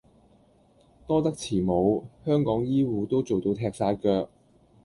多得慈母，香港醫謢都做到踢曬腳